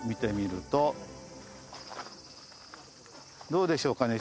どうでしょうかね？